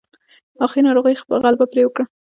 اخير ناروغۍ غلبه پرې وکړه.